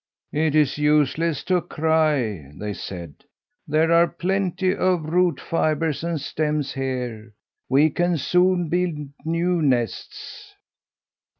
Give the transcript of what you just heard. "It is useless to cry," they said. "There are plenty of root fibres and stems here; we can soon build new nests."